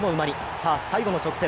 さあ、最後の直線